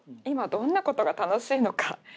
今どんなことが楽しいのか。